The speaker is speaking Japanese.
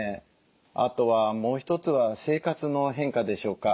あとはもう一つは生活の変化でしょうか。